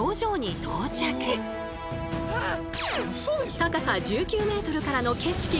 高さ１９ｍからの景色がこちら！